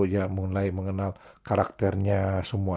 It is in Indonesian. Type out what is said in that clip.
ya mulai mengenal karakternya semua